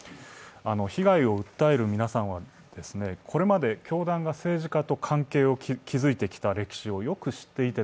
被害を訴える皆さんはこれまで、教団が政治家と関係を築いてきた歴史をよく知っていて、